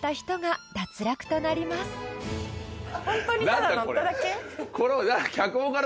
ホントにただ乗っただけ？